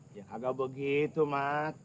ya kagak begitu mat